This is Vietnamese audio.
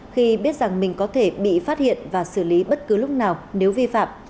khi biết rằng mình có thể bị phát hiện và xử lý bất cứ lúc nào nếu vi phạm